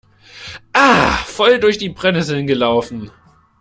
Ah, voll durch die Brennnesseln gelaufen!